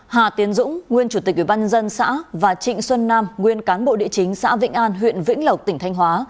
hà tiến dũng nguyên chủ tịch ubnd xã và trịnh xuân nam nguyên cán bộ địa chính xã vĩnh an huyện vĩnh lộc tỉnh thanh hóa